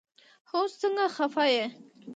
هوس سنګه خفه يي